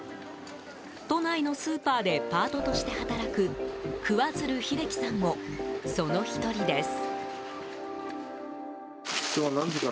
都内のスーパーでパートとして働く桑水流秀喜さんもその１人です。